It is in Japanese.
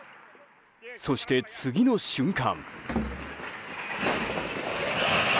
そして、次の瞬間。